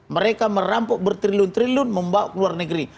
mereka merampok bertriun triliun membawa ke luar negeri